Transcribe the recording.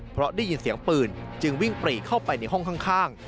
เพราะได้ยินเสียงปืนจึงวิ่งปรีเข้าไปในห้องข้าง